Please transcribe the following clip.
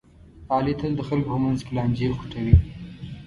علي تل د خلکو په منځ کې لانجې خوټوي.